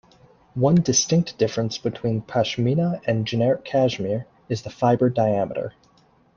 One distinct difference between Pashmina and generic Cashmere is the fibre diameter.